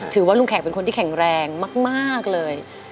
ถือว่าลุงแขกเป็นคนที่แข็งแรงมากเลย